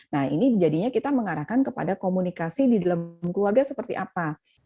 nah ini jadinya kita mengarahkan kepada komunikasi di dalam keluarga seperti apa